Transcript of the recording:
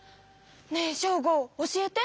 ねえショーゴ教えて。